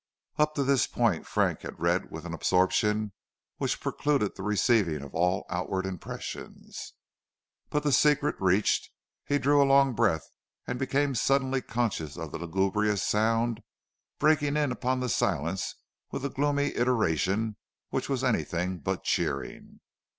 Up to this point Frank had read with an absorption which precluded the receiving of all outward impressions. But the secret reached, he drew a long breath and became suddenly conscious of a lugubrious sound breaking in upon the silence with a gloomy iteration which was anything but cheering.